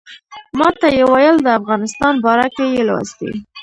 ماته یې ویل د افغانستان باره کې یې لوستي.